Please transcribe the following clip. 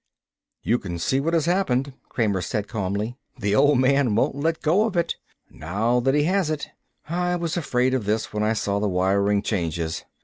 "You can see what has happened," Kramer said calmly. "The old man won't let go of it, now that he has it. I was afraid of this when I saw the wiring changes.